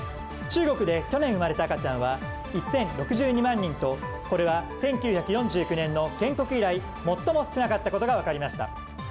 中国で去年生まれた赤ちゃんは１０６２万人とこれは１９４９年の建国以来最も少なかったことが分かりました。